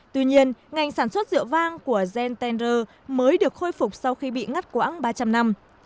tuy nhiên ngành sản xuất rượu vang của gen tender mới được khôi phục sau khi bị ngắt quãng ba trăm linh năm